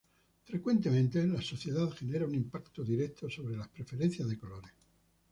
Frecuentemente, la sociedad genera un impacto directo sobre la preferencia de colores.